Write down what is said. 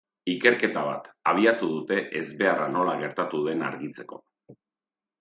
Ikerketa bat abiatu dute ezbeharra nola gertatu den argitzeko.